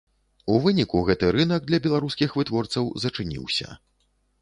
У выніку гэты рынак для беларускіх вытворцаў зачыніўся.